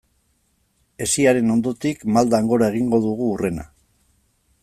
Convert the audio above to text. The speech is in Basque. Hesiaren ondotik maldan gora egingo dugu hurrena.